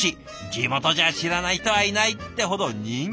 「地元じゃ知らない人はいない！」ってほど人気のハンバーグ。